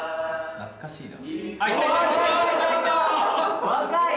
懐かしいな。